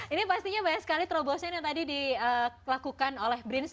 ini pastinya banyak sekali terobosan yang tadi dilakukan oleh brins